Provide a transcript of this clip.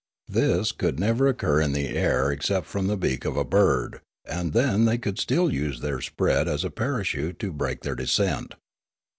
This could never occur in the air except from the beak of a bird ; and then they could still use their spread as a parachute to break their de scent.